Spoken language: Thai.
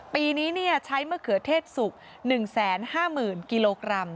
ปีนี้ใช้มะเขือเทศสุก๑๕๐๐๐กิโลกรัม